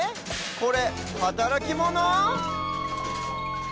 これはたらきモノ？